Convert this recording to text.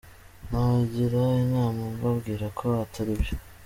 Nabagira inama mbabwira ko atari byo.